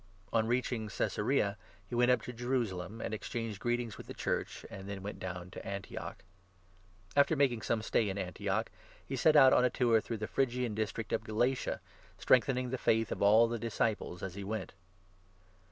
On reach 22 ing Caesarea, he went up to Jerusalem and exchanged greetings with the Church, and then went down to Antioch. PAUL'S THIRD After making some stay in Antioch, he set out 23 MISSIONARY on a tour through the Phrygian district of Galatia, ^"ur'fn" strengthening the faith of all the disciples as he Qalatia. Went.